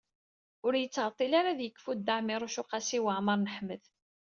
Ur yettɛeṭṭil ara ad yekfu Dda Ɛmiiruc u Qasi Waɛmer n Ḥmed.